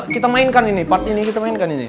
kita mainkan ini part ini kita mainkan ini